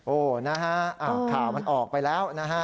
โอ้นะฮะข่าวมันออกไปแล้ว